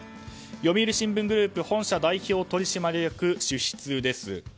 読売新聞グループ本社代表取締役主筆です。